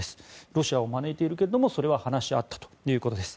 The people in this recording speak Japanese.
ロシアを招いているけれどもそれを話し合ったということです。